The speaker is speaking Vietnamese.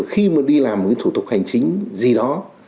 khi mà đi làm thủ tục hành chính gì đó